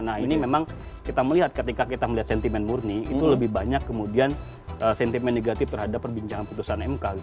nah ini memang kita melihat ketika kita melihat sentimen murni itu lebih banyak kemudian sentimen negatif terhadap perbincangan putusan mk gitu